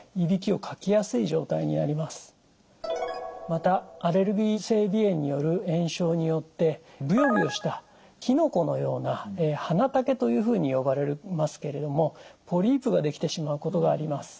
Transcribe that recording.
またアレルギー性鼻炎による炎症によってブヨブヨしたきのこのような鼻茸というふうに呼ばれますけれどもポリープが出来てしまうことがあります。